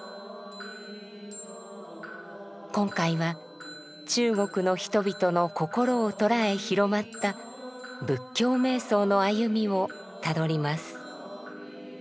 今回は中国の人々の心をとらえ広まった仏教瞑想の歩みをたどります。